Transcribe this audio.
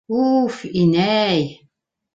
Уф инәй!